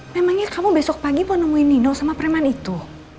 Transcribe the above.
memangnya kamu besok pagi mau nemuin nino sama preman itu